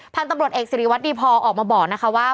พันธุ์ตำรวจเอกสิริวัตรดีพอออกมาบอกนะคะว่า